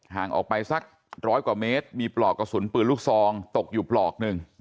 ห่างออกไปสักร้อยกว่าเมตรมีปลอกกระสุนปืนลูกซองตกอยู่ปลอกหนึ่ง